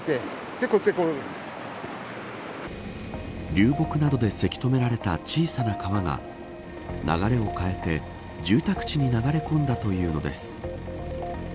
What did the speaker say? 流木などでせき止められた小さな川が流れを変えて住宅地に流れ込んだというのです。